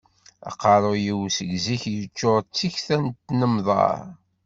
Aqaruy-iw, seg zik, yeččur d tikta n tnemḍar.